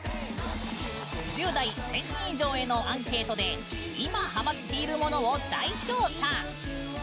１０代１０００人以上へのアンケートで「今ハマっているもの」を大調査。